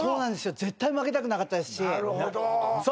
絶対負けたくなかったですしさあ